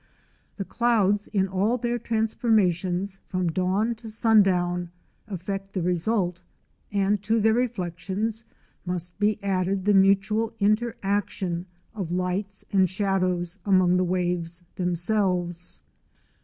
The clouds, in all their transformations from dawn to sundown, affect the result, and to their reflections must be added the mutual inter action of lights and shadows among the waves themselves.